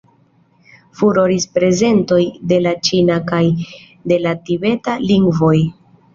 Furoris prezentoj de la ĉina kaj de la tibeta lingvoj.